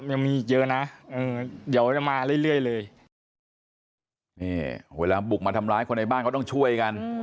ยังมีอีกเยอะนะเดี๋ยวจะมาเรื่อยเลยนี่เวลาบุกมาทำร้ายคนในบ้านเขาต้องช่วยกัน